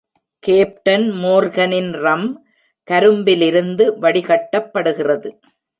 Captain மோர்கனின் rum கரும்பிலிருந்து வடிகட்டப்படுகிறது.